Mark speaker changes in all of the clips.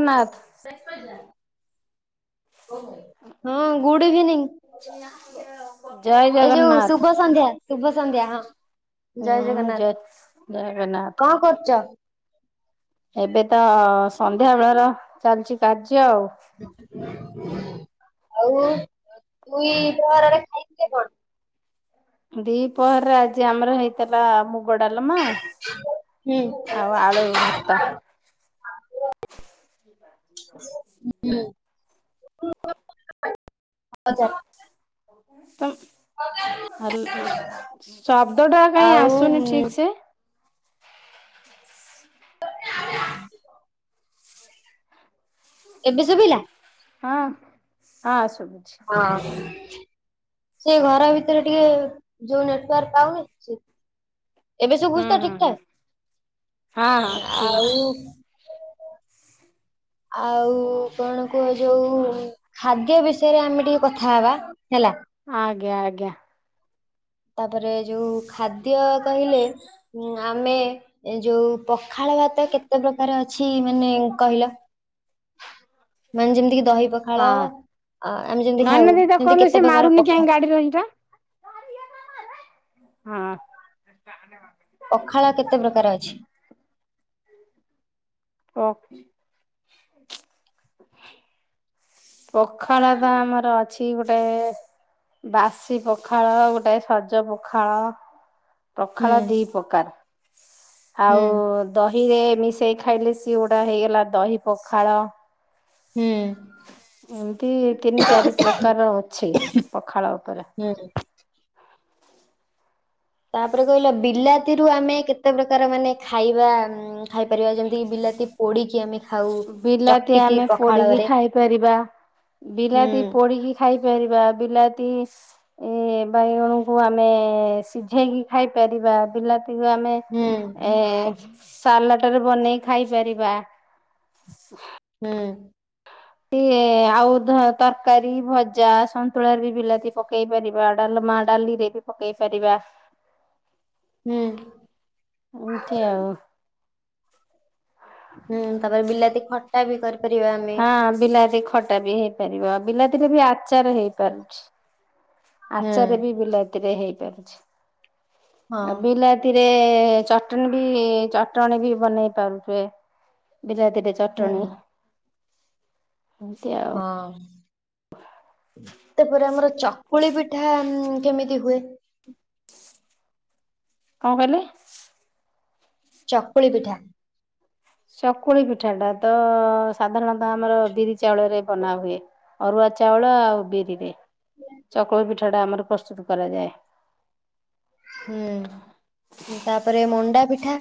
Speaker 1: ନ୍ନାଥ।
Speaker 2: ହଁ good evening.
Speaker 1: ଜୟ
Speaker 2: ଏ ଯୋଉ
Speaker 1: ଜଗନ୍ନାଥ
Speaker 2: ଶୁଭ ସନ୍ଧ୍ୟା, ଶୁଭ ସନ୍ଧ୍ୟା, ହଁ। ଜୟ
Speaker 1: ହୁଁ ଜୟ
Speaker 2: ଜଗନ୍ନାଥ,
Speaker 1: ଜଗନ୍ନାଥ।
Speaker 2: କଣ କରୁଛ?
Speaker 1: ଏବେ ତ ସନ୍ଧ୍ୟା ବେଳର ଚାଲିଛି କାର୍ଯ୍ୟ ଆଉ।
Speaker 2: ଆଉ ଦୁଇ ପ୍ରହରରେ ଖାଇଥିଲେ କଣ?
Speaker 1: ଦି ପହର ଆଜି ଆମର ହେଇଥିଲା ମୁ ଗ ଡାଲମା
Speaker 2: ହୁଁ
Speaker 1: ଆଉ ଆଳୁ ଭର୍ତ୍ତା।
Speaker 2: ହଜ [unintelligible]
Speaker 1: ଉଁ ହାଲ ଶବ୍ଦ ଟା କାଇଁ
Speaker 2: ଆଉ
Speaker 1: ଆସୁନି ଠିକ ସେ।
Speaker 2: [unintelligible] ଏବେ ଶୁବିଲା।
Speaker 1: ହଁ ହଁ ଶୁଭୁଛି।
Speaker 2: ହଁ। ସେ ଘର ଭିତରେ ଟିକେ ଯୋଉ ନେଟୱାର୍କ ପାଉନି ସେ ଏବେ ଶୁବୁଛି
Speaker 1: ହୁଁ
Speaker 2: ତ
Speaker 1: ହୁଁ ହୁଁ ହଁ
Speaker 2: ଠିକଠାକ।
Speaker 1: ହଁ
Speaker 2: ଆଉ
Speaker 1: ଶୁଭୁଛି।
Speaker 2: ଆଉ କଣ କୁହ ଯଉ ଖାଦ୍ୟ ବିଷୟରେ ଆମେ ଟିକେ କଥା ହେବା ହେଲା।
Speaker 1: ଆଜ୍ଞା ଆଜ୍ଞା।
Speaker 2: ତାପରେ ଯୋଉ ଖାଦ୍ୟ କହିଲେ ଉ ଆମେ ଏ ଯୋଉ ପଖାଳ ଭାତ କେତେ ପ୍ରକାର ଅଛି ମାନେ କହିଲ? ମାନେ ଯେମିତି କି ଦହି ପଖାଳ
Speaker 1: ନାନୁ ଦି କହିଲୁ ସେ ମାରୁନି
Speaker 2: ପଖା
Speaker 1: କାହି ଗାଡିର ଏଇଟା ହଁ। ସାଙ୍ଗ ମାରେ।
Speaker 2: ପଖାଳ କେତେ ପ୍ରକାର ଅଛି?
Speaker 1: ଓ ପଖାଳ ଟା ଆମର ଅଛି ଗୋଟେ ବାସି ପଖାଳ ଗୋଟେ ସଜ ପଖାଳ।
Speaker 2: ହୁଁ
Speaker 1: ପଖାଳ ଦି ପ୍ରକାର,
Speaker 2: ହୁଁ
Speaker 1: ଆଉ ଦହିରେ ମିଶେଇ ଖାଇଲେ ଚିଉଟା ହେଇଗଲା ଦହି ପଖାଳ।
Speaker 2: ହୁଁ।
Speaker 1: ଏମତି ତିନି ଚାରି ପ୍ରକାର ଅଛି ପଖାଳ ଉପରେ।
Speaker 2: ନା ରେ ତାପରେ କହିଲ ବିଲାତି ରୁ ଆମେ କେ ତେ ପ୍ରକାର ମାନେ ଖାଇବା ଉଁ, ଖାଇପାରିବା? ଯେମିତିକି ବିଲାତି ପୋଡ଼ିକି ଆମେ ଖାଉ
Speaker 1: ବିଲାତି
Speaker 2: ଚକଟିକି
Speaker 1: ଆମେ ପୋଡିକି
Speaker 2: ପଖାଳରେ
Speaker 1: ଖାଇପାରିବା।
Speaker 2: ହୁଁ
Speaker 1: ବିଲାତି ପୋଡିକି ଖାଇପାରିବା। ବିଲାତି ଏ, ବାଇଗଣକୁ ଆମେ ସିଝେଇକି ଖାଇପାରିବା। ବିଲାତିକୁ ଆମେ
Speaker 2: ହୁଁ
Speaker 1: ଏ, ସାଲାଟ ରେ ବନେଇ ଖାଇପାରିବା।
Speaker 2: ହୁଁ।
Speaker 1: ସିଏ ଆଉ ଧ-ତରକାରୀ ଭଜା ସନ୍ତୁଳା ରେ ବି ବିଲାତି ପକେଇପାରିବା। ଡାଲମା ଡାଲିରେ ବି ପକେଇପାରିବା।
Speaker 2: ହୁଁ
Speaker 1: ଏମିତି ଆଉ।
Speaker 2: ହୁଁ ତାପରେ ବିଲାତି ଖଟା ବି କରିପାରିବା ଆମ
Speaker 1: ହଁ ବିଲାତି ଖ ଟା ବି ହେଇପାରିବ। ଆ, ବିଲାତିରେ ବି ଆଚାର ହେଇପାରୁଛି।
Speaker 2: ହୁଁ
Speaker 1: ଆଚାର ବି ବିଲା ତି ବି ହେଇପାରୁଛି।
Speaker 2: ହଁ
Speaker 1: ଆଉ ବିଲା ତିରେ ଚଟଣି ବି ଚଟଣୀ ବି ବନେଇ ପାରୁଚେ। ବିଲାତି ରେ ଚ
Speaker 2: ହୁଁ
Speaker 1: ଚଟଣୀ। ହଁ ସେ
Speaker 2: ହଁ, ତାପରେ ଆମର ଚକୁଳି ପିଠା ଉଁ, କେମିତି ହୁଏ?
Speaker 1: କଣ କହିଲେ?
Speaker 2: ଚକୁଳି ପିଠା।
Speaker 1: ଚକୁଳି ପିଠା ଟା ତ ସାଧାରଣତ ଆମର ବିରି ଚାଉଳରେ ବନା ହୁଏ। ଅରୁଆ ଚାଉଳ ଆଉ ବିରିରେ। ଚକୁଳି ପିଠା ଟା ଆମର ପ୍ରସ୍ତୁତ କରାଯାଏ।
Speaker 2: ହୁଁ, ଏ ତାପରେ ମଣ୍ଡା ପିଠା?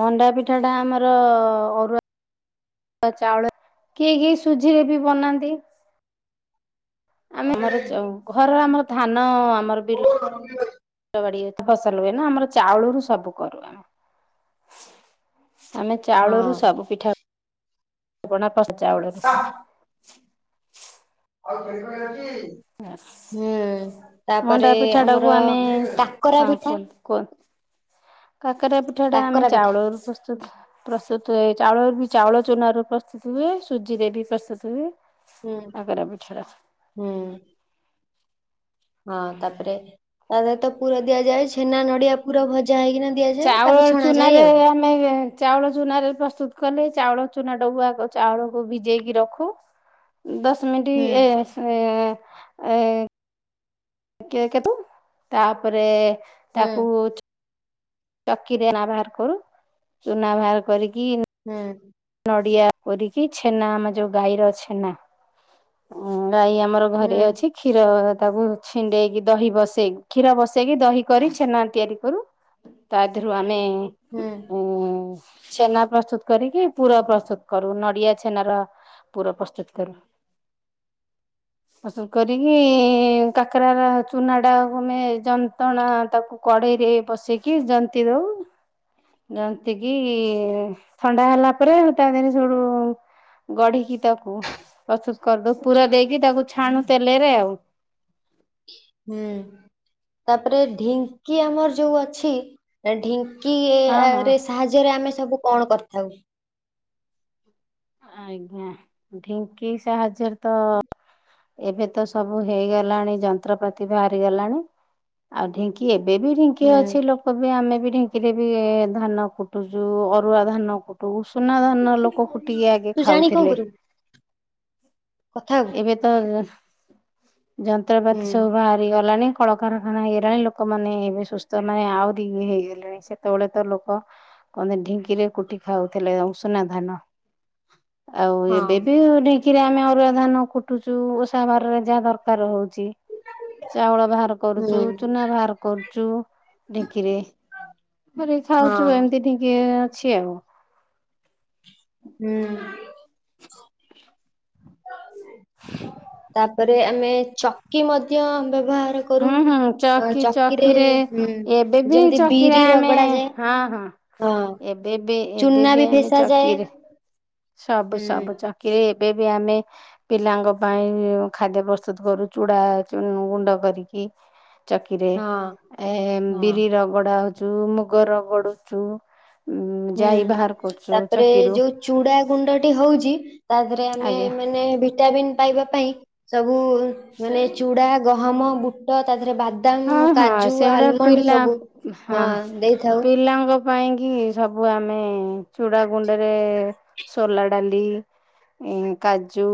Speaker 1: ମଣ୍ଡା ପିଠା ଟା ଆମର ଅରୁଆ ଚାଉଳ କିଏ କିଏ ସୁଝି ରେ ବି ବନାନ୍ତି। ଆମେ ଆମର ଚ- ଘର ଆମର ଧାନ ଆମର ବିଲ
Speaker 2: ହଁ।
Speaker 1: ଲ ବାଡି ଏତ ଫସଲ ହୁଏ ନା ଆମର ଚାଉଳରୁ ସବୁ କରୁ ଆମେ। ଆମେ ଚାଉଳରୁ
Speaker 2: ହୁଁ
Speaker 1: ସବୁ ପିଠାପଣା ପ୍ରସ୍ [inaudible] ଚାଉଳରୁ।
Speaker 2: [unintelligible] ଏ,
Speaker 1: ମଣ୍ଡା
Speaker 2: ତାପରେ
Speaker 1: ପିଠା
Speaker 2: ଆମର କାକରା ପିଠା?
Speaker 1: କନ୍ କାକରା ପିଠା ଟା ଆମେ
Speaker 2: କାକରା ପିଠା
Speaker 1: ଚାଉଳ ରୁ ପ୍ରସ୍ତୁତ ପ୍ରସ୍ତୁତ ହୁଏ। ଚାଉଳ ବି ଚାଉଳ ଚୁନା ରୁ ପ୍ରସ୍ତୁତି ହୁଏ। ସୁଜି ରେ ବି ପ୍ରସ୍ତୁତ ହୁଏ।
Speaker 2: ହୁଁ
Speaker 1: କାକରା ପିଠା ଟା।
Speaker 2: ହୁଁ। ହଁ ତାପରେ ତା ସହିତ ପୁର ଦିଆଯାଏ ଛେନା ନଡିଆ ପୁର ଭଜା ହେଇକିନା। ଦିଆଯାଏ ତାପରେ
Speaker 1: ଚାଉଳ ଚୁନା
Speaker 2: ଛଣାଯାଏ
Speaker 1: ରେ
Speaker 2: ଆଉ।
Speaker 1: ଆମ ଏଇ ଯେ ଚାଉଳ ଚୁନାରେ ପ୍ରସ୍ତୁତ କଲେ ଚାଉଳ ଚୁନା ଟାକୁ ଆଗ ଚାଉଳକୁ ଭିଜେଇକି ରଖୁ। ଦଶ
Speaker 2: ହୁଁ
Speaker 1: ମିିନିଟ୍ ଏ ଆ, ଏ, କେ କେତୁ ତାପରେ
Speaker 2: ହୁଁ
Speaker 1: ତାକୁ ଚ ଚକିରେ ନା ବାହାର କରୁ ଚୁନା ବାହାର କରିକି
Speaker 2: ହେଁ।
Speaker 1: ନଡିଆ କୋରିକି ଛେନା ଆମେ ଯୋଉ ଗାଈର ଛେନା ଅଁ, ଗାଈ ଆମର
Speaker 2: ହୁଁ
Speaker 1: ଘରେ ଅଛି। କ୍ଷୀର ତାକୁ ଛିଣ୍ଡେଇକି ଦହି ବସେଇକି କ୍ଷୀର ବସେଇକି ଦହି କରି ଛେନା ତିଆରି କରୁ। ତାଦିହରୁ ଆମେ
Speaker 2: ହୁଁ।
Speaker 1: ଉଁ ଛେନା ପ୍ରସ୍ତୁତ କରିକି ପୁର ପ୍ରସ୍ତୁତ କରୁ, ନଡିଆ ଛେନାର ପୁର ପ୍ରସ୍ତୁତ କରୁ। ପ୍ରସ୍ତୁତ କରିକି କାକରାର ଚୁନାଟା ଆମେ ଯନ୍ତଣ ତାକୁ କଡ଼େଇରେ ବସେଇକି ଜନ୍ତି ଦଉ। ଜନ୍ତିକି ଥଣ୍ଡା ହେଲା ପରେ ତାଦିହରେ ସୋଉଟୁ ଗଢିକି ତାକୁ ପ୍ରସ୍ତୁତ କରିଦଉ ପୁରା ଦେଇକି ତାକୁ ଛାଣୁ ତେଲରେ ଆଉ।
Speaker 2: ହୁଁ ତାପରେ ଢିଙ୍କି ଆମର ଯୋଉ ଅଛି ଢି ଙ୍କି
Speaker 1: ହଁ ହଁ
Speaker 2: ଆରେ ସାହାଯ୍ୟରେ ଆମେ ସବୁ କଣ କରିଥାଉ?
Speaker 1: ଆଜ୍ଞା ଢିଙ୍କି ସାହାଯ୍ୟରେ ତ ଏବେ ତ ସବୁ ହେଇଗଲାଣି ଯନ୍ତ୍ରପାତି ବାହାରିଗଲାଣି, ଆଉ ଢିଙ୍କ ଏବେ ବି ଢିଙ୍କି
Speaker 2: ହୁଁ
Speaker 1: ଅଛି ଲୋକ ବି ଆମେ ବି ଢ଼ିଙ୍କି ଢ଼ିଙ୍କିରେ ବି ଧାନ କୁଟୁଚୁ, ଅରୁଆ ଧାନ କୁଟୁ, ଉସୁନା ଧାନ ଲୋକ କୁ ଟିକି ଆଗେ
Speaker 2: ତୁ ଜାଣି କଣ
Speaker 1: ଖାଉଥିଲେ।
Speaker 2: କରିବୁ କଥା ହବୁ।
Speaker 1: ଏବେ ତ ଯନ୍ତ୍ରପାତି
Speaker 2: ହୁଁ।
Speaker 1: ସବୁ ବାହାରି ଗଲାଣି। କଳକାରଖାନା ହେଇଗଲାଣି ଲୋକମାନେ ଏବେ ସୁସ୍ଥ ନ ହେଇ ମାନେ ଆହୁରି ଇଏ ହେଇଗଲେଣି। ସେତେବେଳେ ତ ଲୋକ କହନ୍ତି ଢିଙ୍କିରେ କୁଟି ଖାଉଥିଲେ ଉଷୁନା ଧାନ। ଆଉ
Speaker 2: ହଁ।
Speaker 1: ଏବେ ବି ଢ଼ିଙ୍କିରେ ଆମେ ଅରୁଆ ଧାନ କୁଟୁଚୁ ଓଷା ବାରରେ ଯାହା ଦରକାର ହଉଛି ଚାଉଳ ବାହାର କରୁଛୁ,
Speaker 2: ହୁଁ
Speaker 1: ଚୁନା ବାହାର କରୁଛୁ। ଢିଙ୍କିରେ କରିକି ଖାଉଛୁ
Speaker 2: ହଁ
Speaker 1: ଏମିତି ଢିଙ୍କି ଅଛି ଆଉ।
Speaker 2: ହୁଁ। ତାପରେ ଆମେ ଚ ଚକି ମଧ୍ୟ ବ୍ୟବହାର କରୁ।
Speaker 1: ହୁଁ ହୁଁ ଚକି
Speaker 2: ଚକିରେ
Speaker 1: ଏବେ ବି
Speaker 2: ଯେମିତି
Speaker 1: ଚକିରେ
Speaker 2: ବିରି
Speaker 1: ଆମେ
Speaker 2: ରଗଡା ଯାଏ।
Speaker 1: ହଁ ହଁ
Speaker 2: ହଁ
Speaker 1: ଏବେ ବି ଏବେ
Speaker 2: ଚୁନା
Speaker 1: ବି ଆମେ
Speaker 2: ଫେସା ଯାଏ।
Speaker 1: ଚକିରେ, ସବୁ
Speaker 2: ହୁଁ
Speaker 1: ସବୁ ଚ କିରେ ଏବେ ବି ଆମେ ପିଲାଙ୍କ ପାଇଁ ଖାଦ୍ୟ ପ୍ରସ୍ତୁତ କରୁ ଚୁଡ଼ା ଗୁଣ୍ଡ କରିକି। ଚକିରେ
Speaker 2: ହଁ
Speaker 1: ଏ
Speaker 2: ହଁ।
Speaker 1: ବିରି ରଗଡା ହଉଛୁ, ମୁଗ ରଗଡୁଚୁ ଉଁ
Speaker 2: ହୁଁ
Speaker 1: ଯାଇ ବାହାର କରୁଛୁ
Speaker 2: ତାପରେ
Speaker 1: ଚକିରୁ।
Speaker 2: ଯୋଉ ଚୁଡା ଗୁଣ୍ଡଟେ ହଉଛି ତା ଦେହରେ ଆମେ
Speaker 1: ଆଜ୍ଞା
Speaker 2: ମାନେ ଭିଟାମିନ୍ ପାଇବା ପାଇଁ ସବୁ ମାନେ ଚୁଡ଼ା, ଗହମ, ବୁଟ ତା ଦେହରେ ବାଦ
Speaker 1: ହଁ
Speaker 2: ଦାମ,
Speaker 1: ହଁ
Speaker 2: କାଜୁ,
Speaker 1: ସେଗୁଡା
Speaker 2: ଆଲମଣ୍ଡ
Speaker 1: ପିଲା
Speaker 2: ସବୁ ହଁ ଦେଇଥାଉ।
Speaker 1: ପିଲାଙ୍କ ପାଇଁ କିି ସବୁ ଆମେ ଚୁଡ଼ା ଗୁଣ୍ଡରେ ସୋଲା ଡାଲି ଏଁ କାଜୁ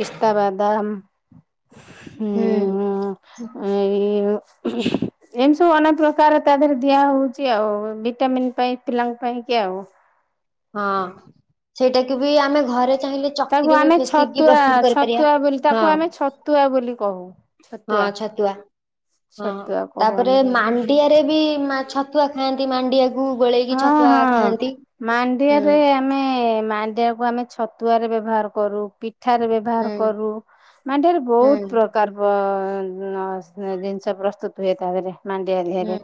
Speaker 1: ପିସ୍ତାବାଦାମ ହୁଁ - ଉଁ। ଉଁ। ଏମିତି ସବୁ ଅନେକ ପ୍ରକାର ତା ଦେହରେ ଦିଆ ହଉଛି ଆଉ। ଭିଟାମିିନ ପାଇଁ ପିଲାଙ୍କ ପାଇଁ କି ଆଉ।
Speaker 2: ହଁ ସେଇଟା କି ବି ଆମେ ଘରେ ଚାହିଁଲେ
Speaker 1: ତାକୁ
Speaker 2: ଚକିରେ ବି
Speaker 1: ଆମେ
Speaker 2: ଫେସିକି
Speaker 1: ଛତୁଆ
Speaker 2: ପ୍ରସ୍ତୁତ କରିପାରିବା।
Speaker 1: ଛତୁଆ ବୋଲି ତାକୁ
Speaker 2: ହଁ
Speaker 1: ଆମେ ଛତୁଆ ବୋଲି କହୁ।
Speaker 2: ହଁ ଛତୁଆ ହଁ
Speaker 1: ଛତୁଆ କହୁ
Speaker 2: ତାପରେ
Speaker 1: ଆମେ
Speaker 2: ମା
Speaker 1: ତାକୁ
Speaker 2: ମାଣ୍ଡିଆରେ ବି ଛତୁଆ ଖାଆନ୍ତି ମାଣ୍ଡିଆକୁ ଗୋଳେଇକି ଛତୁଆ ଖାଆନ୍ତି।
Speaker 1: ମାଣ୍ଡିଆ
Speaker 2: ହୁଁ
Speaker 1: ରେ ଆମେ ମାଣ୍ଡିଆକୁ ଆମେ ଛତୁଆରେ ବ୍ୟବହାର କରୁ ପି ଠାରେ ବ୍ୟବହାର
Speaker 2: ହୁଁ
Speaker 1: କରୁ ମାଣ୍ଡିଆ ରେ
Speaker 2: ହୁଁ
Speaker 1: ବହୁତ ପ୍ରକାର କାର ଜିନିଷ ପ୍ରସ୍ତୁତ ହୁଏ ତାଥେରେ ମାଣ୍ଡିଆ
Speaker 2: ହୁଁ
Speaker 1: ଦେହରେ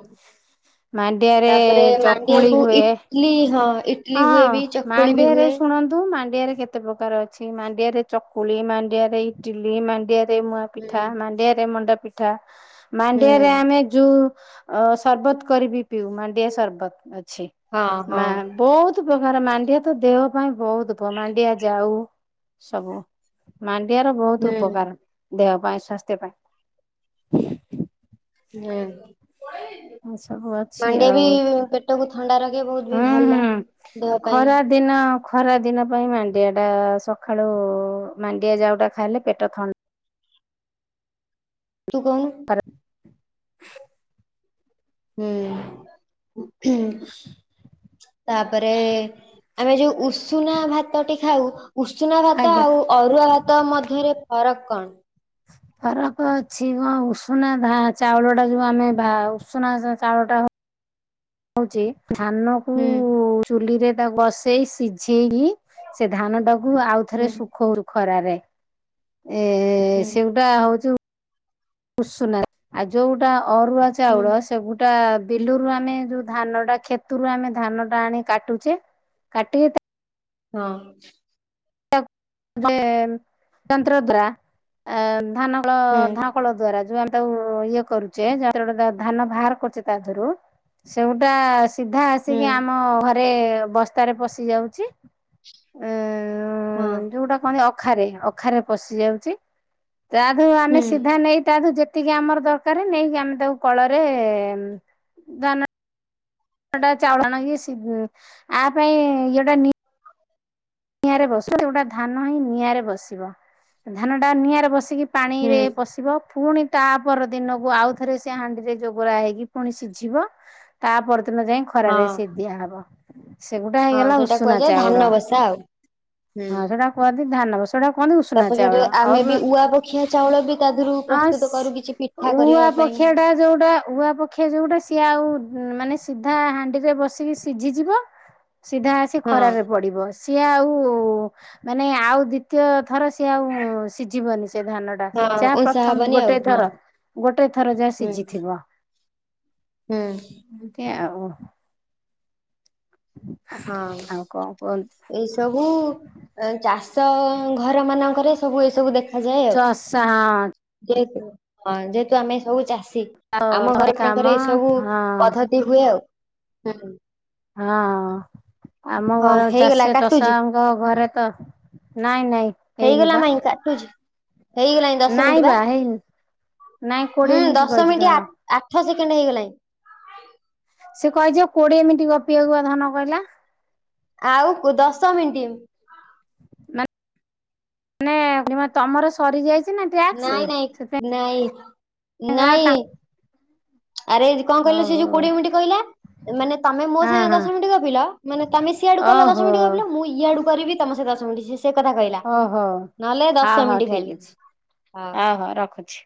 Speaker 1: ମାଣ୍ଡିଆରେ
Speaker 2: ତାପରେ
Speaker 1: ଚ କୁଳି
Speaker 2: ମାଣ୍ଡିଆକୁ
Speaker 1: ହୁଏ
Speaker 2: ଇଟଲି ହଁ ଇଟଲି
Speaker 1: ହଁ
Speaker 2: ହୁଏ ବି ଚକୁଳି ବି
Speaker 1: ମାଣ୍ଡିଆରେ
Speaker 2: ହୁଏ।
Speaker 1: ଶୁଣ ନ୍ତୁ ମାଣ୍ଡିଆରେ କେତେ ପ୍ରକାର ଅଛି ମାଣ୍ଡିଆରେ ଚକୁଳି ମାଣ୍ଡିଆରେ ଇଟିଲି ମାଣ୍ଡିଆରେ ମୁଆ ପିଠା
Speaker 2: ହୁଁ
Speaker 1: ମାଣ୍ଡିଆରେ ମଣ୍ଡା ପିଠା
Speaker 2: ହୁଁ
Speaker 1: ମାଣ୍ଡିଆ ରେ ଆମେ ଯୋଉ ଅ ସରବତ କରିବି ପିଉ ମାଣ୍ଡିଆ ସର୍ବତ ଅଛି
Speaker 2: ହଁ ହଁ
Speaker 1: ମା ବହୁତ ବହୁ ଉପକାର ମାଣ୍ଡିଆ ତ ଦେହ ପାଇଁ ବହୁତ ଉପ ମାଣ୍ଡିଆ ଯାଉ ସବୁ ମାଣ୍ଡିଆ ର
Speaker 2: ହୁଁ
Speaker 1: ବହୁତ ଉପକାର ଦେହ ପାଇଁ ସ୍ୱାସ୍ଥ୍ୟ ପାଇଁ ପାଇଁ ସବୁ ଅଛି
Speaker 2: ମାଣ୍ଡିଆ ବି
Speaker 1: ଆଉ
Speaker 2: ପେଟ ପେଟକୁ ଥଣ୍ଡା ରଖେ ବହୁତ ବି
Speaker 1: ହୁଁ
Speaker 2: ଭଲ
Speaker 1: ହୁଁ।
Speaker 2: ଦେହ ପାଇଁ।
Speaker 1: ଖରା ଦିନ ଖରା ଦିନ ପାଇଁ ମାଣ୍ଡିଆ ଟା ସକାଳୁ ମାଣ୍ଡିଆ ଯାଉଟା ଖାଇଲେ ପେଟ ଥଣ୍ଡା
Speaker 2: ତୁ କହୁନୁ?
Speaker 1: [unintelligible]
Speaker 2: ହୁଁ ତାପରେ ଆମେ ଯୋଉ ଉଷୁନା ଭାତ ଟିକେ ଖାଉ ଉଷୁନା ଭାତ
Speaker 1: ଆଜ୍ଞା
Speaker 2: ଆଉ ଅରୁଆ ଭାତ ମଧ୍ୟରେ ଫରକ କଣ?
Speaker 1: ଫରକ ଅଛି କଣ ଉଷୁନା ଧା ଚାଉଳ ଟା ଯୋଉ ଆମେ ବା ଉଷୁନା ଚାଉଳଟା ହଉ ଧାନକୁ
Speaker 2: ହୁଁ
Speaker 1: ଚୁଲିରେ ତାକୁ ବାସ ସେଇ ସିଝେଇକି ସେ ଧାନ ଟାକୁ ଆଉ
Speaker 2: ହୁଁ
Speaker 1: ଥରେ ଶୁଖଉ ଖରାରେ ଏ
Speaker 2: ହୁଁ
Speaker 1: ସେଗୋଟା ହଉଚି ଉଷୁନା ଆଉ ଯୋଉଟା ଅରୁଆ
Speaker 2: ହୁଁ
Speaker 1: ଚାଉଳ ସେଗୁଟା ଟା ବିଲୁରୁ ଆମେ ଯୋଉ ଧାନ ଟା କ୍ଷେତରୁ ଆମେ ଧାନ ଟା ଆଣି କାଟୁଛେ କାଟି
Speaker 2: ହଁ
Speaker 1: ଯନ୍ତ୍ର ଦ୍ୱାରା ଧାନ କଳ
Speaker 2: ହୁଁ
Speaker 1: ଧାଁ କଳ ଦ୍ଵାରା ଯୋଉ ଆମ ତା ଇଏ କରୁଛେତେଟ ଧାନ ବାହାର କରୁଛେ ତା ଦେହରୁ ସେଗୁଟା ସିଧା
Speaker 2: ହୁଁ
Speaker 1: ଆସିକି ଆମ ଘରେ ବସ୍ତାରେ ପଶି ଯାଉଛି
Speaker 2: ହଁ
Speaker 1: ଯୋଉଟା କହନ୍ତି ଅଖାରେ ଅଖାରେ ପଶି ଯାଉଛି ତାୁ ଆମେ
Speaker 2: ହୁଁ
Speaker 1: ସିଧା ନେଇ ତାୁ ଯେ ତିକି ଆମର ଦରକାର ନେଇକି ଆମେ ତାକୁ କଳରେ ଧାନ [unintelligible] ନିଆଁରେ ବସ ସେଉଟା ଧାନ ହିଁ ନିଆଁରେ ବସିବ ଧାନ ଟା ନିଆଁରେ ବସିକି ପାଣି
Speaker 2: ହୁଁ
Speaker 1: ରେ ପସିବ ପୁଣି ତା ପର ଦିନକୁ ଆଉଥରେ ସେ ହାଣ୍ଡି ରେ ଜୋଗରା ହେଇକି ପୁଣି ସିଝିବ ତା ପରଦିନ ଯାଇ ଖରାରେ
Speaker 2: ହଁ
Speaker 1: ସେିଏ ଦିଆହବ ସେଗୁଟା ହେଇଗଲା ଉଷୁନା ଚାଉଳ।
Speaker 2: ସାଓ
Speaker 1: ହଁ ସେଟା କୁହନ୍ତି ଧାନ ବସ ସେଟା କୁହନ୍ତି ଉଷୁନା
Speaker 2: ତାପରେ
Speaker 1: ଚାଉଳ
Speaker 2: ଆମେ ବି
Speaker 1: ଅରୁଆ
Speaker 2: ଉଆପଖିଆ ଚାଉଳ ବି ତା ଦେହରୁ
Speaker 1: ହଁ
Speaker 2: ପ୍ରସ୍ତୁତ କରୁ କିଛି ପିଠା
Speaker 1: ସେ ଉଆ
Speaker 2: କରିବା ପାଇଁ।
Speaker 1: ପକ୍ଷିଆ ଟା ଯେଉଁଟା ଉଆ ପକ୍ଷିଆ ଯେଉଁଟା ସିଏ ଆଉ ମାନେ ସିଧା ହାଣ୍ଡିରେ ବସିକି ସିଝିଯିବ ସିଧା ଆସି
Speaker 2: ହଁ
Speaker 1: ଖରାରେରେ ପଡିବ। ସିଏ ଆଉ ମାନେ ଆଉ ଦ୍ଵିତୀୟ ଥର ସିଏ ଆଉ ସିଝିବନି ସେ ଧାନ।
Speaker 2: ହଁ
Speaker 1: ଚା
Speaker 2: ଉଁଷା
Speaker 1: ପ୍ରଥମ
Speaker 2: ହବନି ଆଉ
Speaker 1: ଗୋଟେ
Speaker 2: ହଁ
Speaker 1: ଥର ଗୋଟେ ଥର ଯାହା
Speaker 2: ହୁଁ
Speaker 1: ସିଝିଥିବ।
Speaker 2: ହୁଁ,
Speaker 1: ଓକେ ଆଉ,
Speaker 2: ହଁ,
Speaker 1: ଆଉ କଣ କୁହନ୍ତୁ
Speaker 2: ଏଇ ସବୁ, ଚାଷ ଘର ମାନଙ୍କରେ ସବୁ ଏ ସବୁ ଦେଖ ଦେଖା ଯାଏ ଆଉ,
Speaker 1: ଚଷା
Speaker 2: ଯେହେତୁ ହଁ ଯେହେତୁ ଆମେ ସବୁ ଚାଷୀ। ଆମ
Speaker 1: ହଁ
Speaker 2: ଘର
Speaker 1: କାମ
Speaker 2: ପାଖରେ ଏଇ ସବୁ
Speaker 1: ହଁ
Speaker 2: ପଦ୍ଧତି ହୁଏ। ଆଉ
Speaker 1: ହଁ ଆମ
Speaker 2: ହଁ
Speaker 1: ଘର
Speaker 2: ହେଇଗଲା
Speaker 1: ଚାଷେ
Speaker 2: କାଟୁଛି
Speaker 1: ଚଷଙ୍କ ଘରେ ତ ନାଇଁ ନାଇଁ ହେଇନି ବା
Speaker 2: ମୁଁ କାଟୁଛି। ହେଇଗଲାଣି ଦଶ
Speaker 1: ନାଇଁ
Speaker 2: ମିନିଟ୍ ବା।
Speaker 1: ହେଇନି ନାଇଁ କୋଡିଏ
Speaker 2: ହୁଁ
Speaker 1: ମିନିଟ୍
Speaker 2: ଦଶ
Speaker 1: କହିଛି
Speaker 2: ମିନିଟ,
Speaker 1: ଧନ।
Speaker 2: ଆଠ ସେକେଣ୍ଡ ହେଇଗଲାଣି।
Speaker 1: ସେ କହିଛି କୋଡିଏ ମିନିଟ ଗପିଆକୁଆ ଧନ କହିଲା।
Speaker 2: ଆଉ କୁ ଦଶ ମିନିଟି।
Speaker 1: ମେ ମାନେ ତମର
Speaker 2: ନାଇଁ ନାଇଁ
Speaker 1: ସରିଯାଇଛି?
Speaker 2: ନାଇଁ
Speaker 1: [inaudible]
Speaker 2: ନାଇଁ ଆରେ କଣ କହିଲୁ ସେ ଯୋ
Speaker 1: ହଉ
Speaker 2: କୋଡିଏ ମିନିଟ କହିଲା। ମାନେ ତମେ ମୋ
Speaker 1: ହଉ
Speaker 2: ସହିତ
Speaker 1: ହଁ ହଁ
Speaker 2: ଦଶ ମିନିଟ ଗପିଲ ମାନେ ତମେ ସିଆଡୁ କଲା ଦଶ
Speaker 1: ଓହୋ
Speaker 2: ମିନିଟ ଗପିଲ ମୁଁ, ଇଆଡୁ କରିବି ତମ ସହିତ ଦଶ ମିନିଟ [unintelligible] ସେ କଥା କହିଲା,
Speaker 1: ଓହୋ
Speaker 2: ନହେଲେ
Speaker 1: ହଉ
Speaker 2: ଦଶ
Speaker 1: ହଉ
Speaker 2: ମିନିଟ
Speaker 1: ଠିକ
Speaker 2: ଖାଇଲି।
Speaker 1: ଅଛି।
Speaker 2: ଆଉ
Speaker 1: ଅ ହଉ ରଖୁଛି।